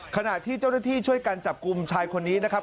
ขณะที่เจ้าหน้าที่ช่วยกันจับกลุ่มชายคนนี้นะครับ